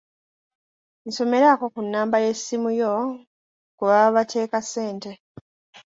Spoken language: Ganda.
Nsomerako ku nnamba y'essimu yo kwe baba bateeka ssente.